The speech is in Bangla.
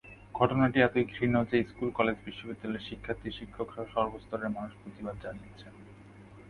ঘটনাটি এতই ঘৃণ্য যে স্কুলকলেজবিশ্ববিদ্যালয়ের শিক্ষার্থী, শিক্ষকসহ সর্বস্তরের মানুষ প্রতিবাদ জানিয়েছেন।